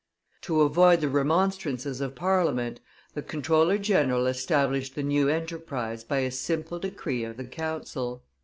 To avoid the remonstrances of Parliament, the comptroller general established the new enterprise by a simple decree of the council.